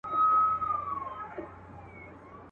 ډېر هوښیار وو ډېري ښې لوبي یې کړلې.